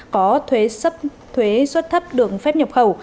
có thuế xuất thấp được phép nhập khẩu